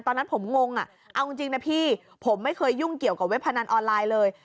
ตอนนั้นผมงงอ่ะเอาจริงนะพี่ผมไม่เคยยุ่งเกี่ยวกับเว็บพนันออนไลน์เลย